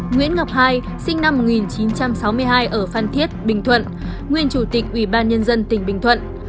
nguyễn ngọc hai sinh năm một nghìn chín trăm sáu mươi hai ở phan thiết bình thuận nguyên chủ tịch ủy ban nhân dân tỉnh bình thuận